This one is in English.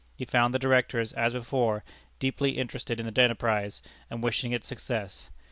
He found the Directors, as before, deeply interested in the enterprise, and wishing it success.